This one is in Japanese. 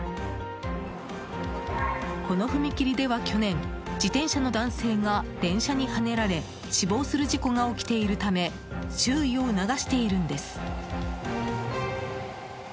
この踏切では去年自転車の男性が電車にはねられ死亡する事故が起きているため注意を促しているんです。